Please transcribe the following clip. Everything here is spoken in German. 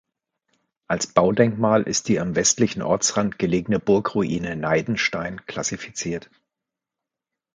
Als Baudenkmal ist die am westlichen Ortsrand gelegene Burgruine Neidenstein klassifiziert.